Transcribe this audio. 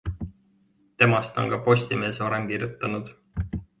Temast on ka Postimees varem kirjutanud.